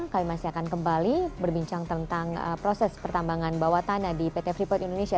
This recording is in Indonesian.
kami masih akan kembali berbincang tentang proses pertambangan bawah tanah di pt freeport indonesia